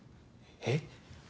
えっ？